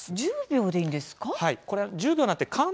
１０秒でいいんですか。